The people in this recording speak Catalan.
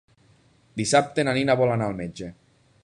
Dissabte na Nina vol anar al metge.